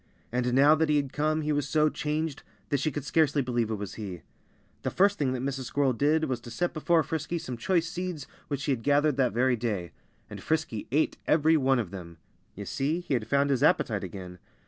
And now that he had come he was so changed that she could scarcely believe it was he. The first thing that Mrs. Squirrel did was to set before Frisky some choice seeds which she had gathered that very day. And Frisky ate every one of them. You see, he had found his appetite again.